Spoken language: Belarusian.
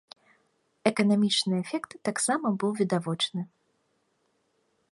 Эканамічны эфект таксама быў відавочны.